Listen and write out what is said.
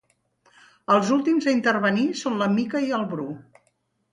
Els últims a intervenir són la Mica i el Bru.